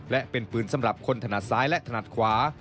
และเป็นปืนสำหรับคนถนัดซ้ายและถนัดขวา